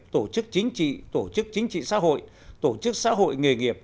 tổ chức chính trị tổ chức chính trị xã hội tổ chức xã hội nghề nghiệp